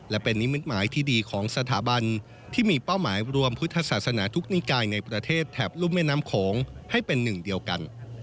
และเป็นนิมิตหมายที่ดีของสถาบันที่มีเป้าหมายรวมพุทธศาสนาทุกนิกายในประเทศแถบรุ่มแม่น้ำโขงให้เป็นหนึ่งเดียวกัน